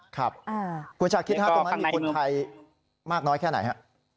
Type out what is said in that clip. ครับคุณชาคิดตรงนั้นมีคนไทยมากน้อยแค่ไหนฮะ